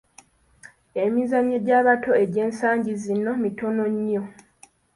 Emizannyo gy'abato egy'ensangi zino mitono nnyo.